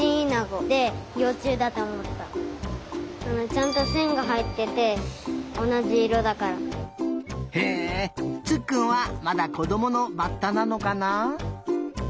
ちゃんとせんがはいってておなじいろだから。へえつっくんはまだこどものバッタなのかな？